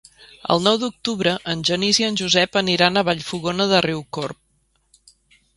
El nou d'octubre en Genís i en Josep aniran a Vallfogona de Riucorb.